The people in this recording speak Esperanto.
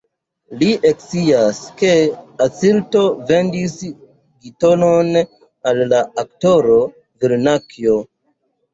Li ekscias, ke Ascilto vendis Gitonon al la aktoro Vernakjo.